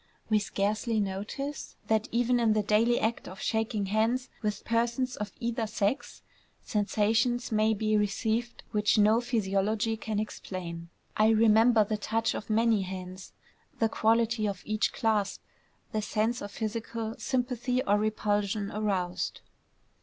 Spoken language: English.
We scarcely notice that even in the daily act of shaking hands with persons of either sex, sensations may be received which no physiology can explain. I remember the touch of many hands, the quality of each clasp, the sense of physical sympathy or repulsion aroused.